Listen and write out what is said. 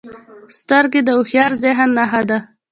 سترګې د هوښیار ذهن نښه ده